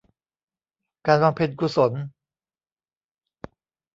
การบำเพ็ญกุศล